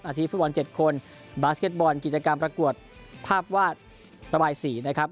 ทีมฟุตบอล๗คนบาสเก็ตบอลกิจกรรมประกวดภาพวาดระบายสีนะครับ